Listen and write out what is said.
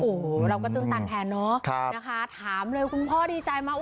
อู๋เราก็ตื่นต่างแทนเนอะถามเลยคุณพ่อดีใจมา